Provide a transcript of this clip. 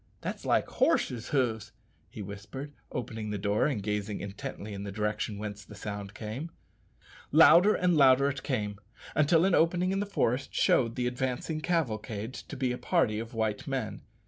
that's like horses' hoofs," he whispered, opening the door and gazing intently in the direction whence the sound came. Louder and louder it came, until an opening in the forest showed the advancing cavalcade to be a party of white men.